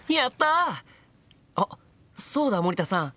あっそうだ森田さん。